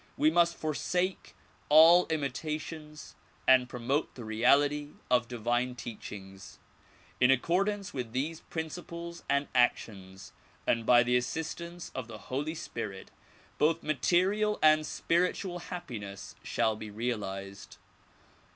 We must forsake all imitations and promote the reality of the divine teachings. In accordance with these principles and actions and by the assistance of the Holy Spirit, both material and spiritual happiness shall become realized.